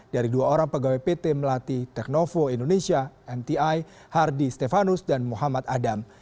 dari dua orang pegawai pt melati teknovo indonesia mti hardy stefanus dan muhammad adam